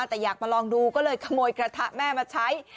แต่อยากมาลองดูก็เลยขโมยกระทะแม่มาใช้